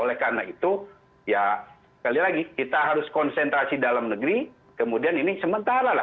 oleh karena itu ya sekali lagi kita harus konsentrasi dalam negeri kemudian ini sementara lah